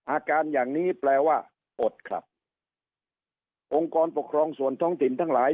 อาการอย่างนี้แปลว่าอดครับองค์กรปกครองส่วนท้องถิ่นทั้งหลาย